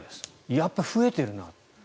やっぱり増えてると。